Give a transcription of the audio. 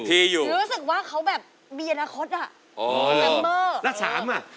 พีอยู่หนูรู้สึกว่าเขาแบบมีอนาคตอ่ะอ๋อแล้วสามอ่ะสาม